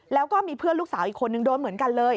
แล้วก็มีเพื่อนลูกสาวอีกคนนึงโดนเหมือนกันเลย